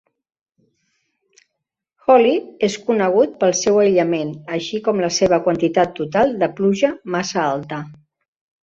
Holly és conegut pel seu aïllament, així com la seva quantitat total de pluja massa alta.